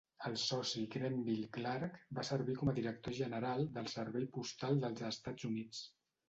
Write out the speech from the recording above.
El soci Grenville Clark va servir com a director general del Servei Postal dels Estats Units.